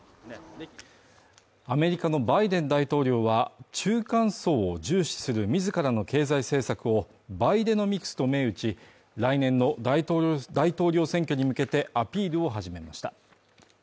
アメリカのバイデン大統領は、中間層を重視する自らの経済政策をバイデノミクスと銘打ち、来年の大統領大統領選挙に向けてアピールを始めました。